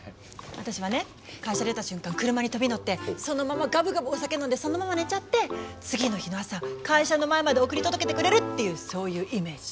私はね会社出た瞬間車に飛び乗ってそのままガブガブお酒飲んでそのまま寝ちゃって次の日の朝会社の前まで送り届けてくれるっていうそういうイメージ。